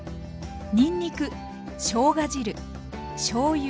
にんにくしょうが汁しょうゆ